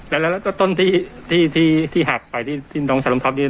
และต้นที่หักไปที่น้องแสลมทรัพย์นี้